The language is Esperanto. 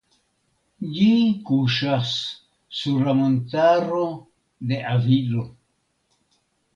Ĝi kuŝas sur la Montaro de Avilo.